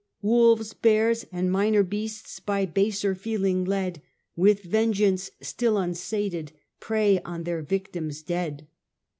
Wolves, bears and minor beasts, by baser feeling led With vengeance still unsated prey on their victims dead.'